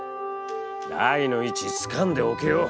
台の位置つかんでおけよ。